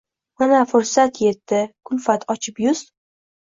Mana, fursat yetdi, kulfat ochib yuz